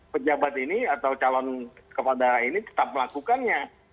pejabat ini atau calon kepala daerah ini tetap melakukannya